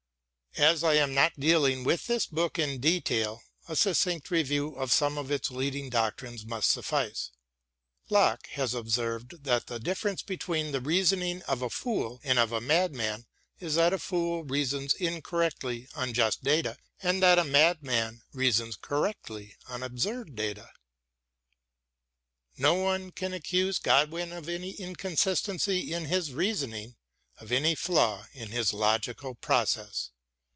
As I am not dealing with this book in detail, a succinct review of some of its leading doctrines must suffice. Locke has observed that the difference between the reasoning of a fool and of a madman is that a fool reasons incorrectly on just data and that a madman reasons correctly on absurd data. No one can accuse Godwin of any inconsistency in his reasoning, of any flaw in his logical process.